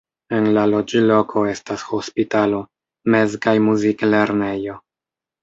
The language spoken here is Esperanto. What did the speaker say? En la loĝloko estas hospitalo, mez- kaj muzik-lernejo.